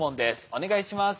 お願いします。